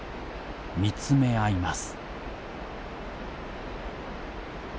見つめ合います。